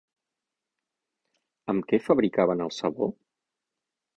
Amb què fabricaven el sabó?